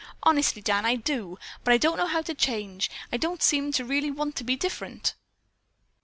Honestly, Dan, I do, but I don't know how to change. I don't seem to really want to be different."